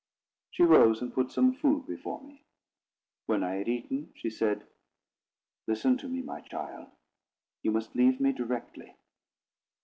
She rose and put some food before me. When I had eaten, she said: "Listen to me, my child. You must leave me directly!"